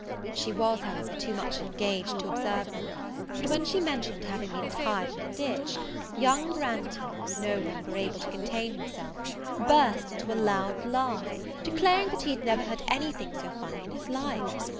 She was, however, too much engaged to observe them; but, when she mentioned having been tied in a ditch, young Branghton, no longer able to contain himself, burst into a loud laugh, declaring that he had never heard any thing so funny in his life!